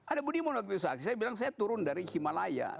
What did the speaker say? ada budiman fakultas filsafat ugm saya bilang saya turun dari himalaya